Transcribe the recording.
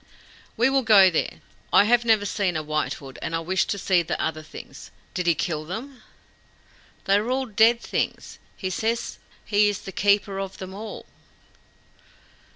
"We will go there. I have never seen a White Hood, and I wish to see the other things. Did he kill them?" "They are all dead things. He says he is the keeper of them all."